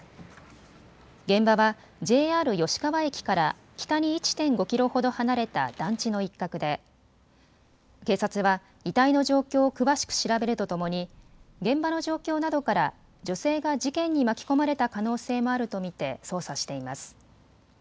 現場はＪＲ吉川駅から北に１．５キロほど離れた団地の一角で警察は遺体の状況を詳しく調べるとともに現場の状況などから女性が事件に巻き込まれた可能性もあると見て捜査しています。